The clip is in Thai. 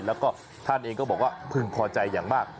แล้วก็ท่านเองก็บอกว่าพึงพอใจอย่างมาก